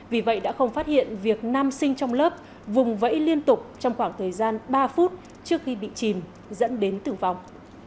vì vậy đã không phát hiện việc nam sinh trong lớp vùng vẫy liên tục trong khoảng thời gian ba phút trước khi bị chìm dẫn đến tử vong